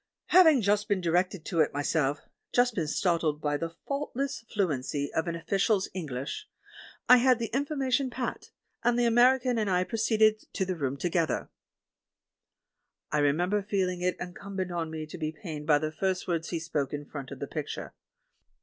Having just been 35 S6 THE MAN WHO UNDERSTOOD WOMEN directed to it myself — just been startled by the faultless fluency of an official's English — I had the information pat, and the American and I proceeded to the room together. I remexiber feeling it incumbent on me to be pained bj^ the first words he spoke in front of tKe picture.